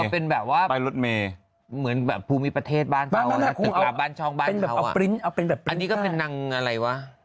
เป็นแบบว่าไปรถเมย์เหมือนแบบภูมิประเทศบ้านเขาบ้านชองบ้านเขาอันนี้ก็เป็นนางอะไรวะ